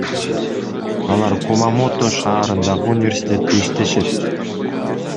Алар Кумамото шаарындагы университетте иштешет.